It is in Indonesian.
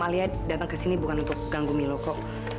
alia datang ke sini bukan untuk ganggu milo kok